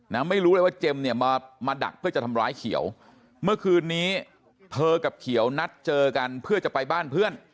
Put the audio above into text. ไม่รู้เลยว่าเจมส์เนี่ยมามาดักเพื่อจะทำร้ายเขียวเมื่อคืนนี้เธอกับเขียวนัดเจอกันเพื่อจะไปบ้านเพื่อน